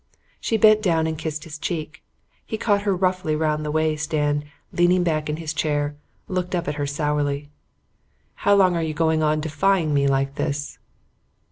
She bent down and kissed his cheek. He caught her roughly round the waist and, leaning back in his chair, looked up at her sourly. "How long are you going on defying me like this?"